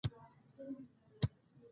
هلک په خبره کې ور ولوېد: